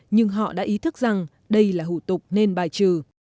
nhưng họ đã ý thức rằng đây là hủ tục nên bài trừ